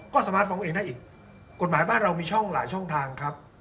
ก็สามารถฟ้องเองได้อีกกฎหมายบ้านเรามีช่องหลายช่องทางครับ